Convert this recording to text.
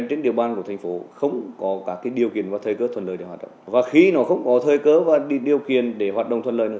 thiếu tá nguyễn quốc hùng cảnh báo